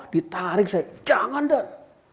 ditarik saya jangan dan